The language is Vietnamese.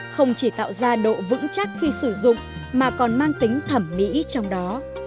không chỉ tạo ra độ vững chắc khi sử dụng mà còn mang tính thẩm mỹ trong đó